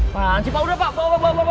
panji pak udah pak bawa bawa bawa